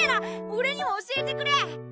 俺にも教えてくれ！